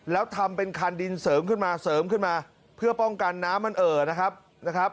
แล้วทำเป็นคันดินเสริมขึ้นมาเพื่อป้องกันน้ำมันเอ่อนะครับ